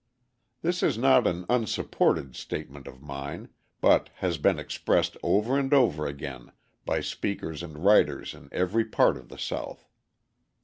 This is not an unsupported statement of mine, but has been expressed over and over again by speakers and writers in every part of the South.